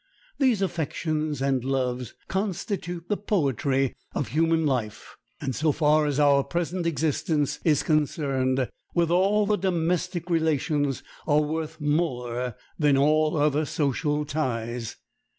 These affections and loves constitute the poetry of human life, and so far as our present existence is concerned, with all the domestic relations, are worth more than all other social ties.